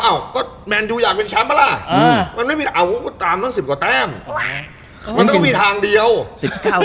เอ้าแมนดูอยากเป็นแชมป์ปะล่ะมันไม่มีเอ้าก็ตามตั้ง๑๐กว่าแต้มมันก็มีทางเดียว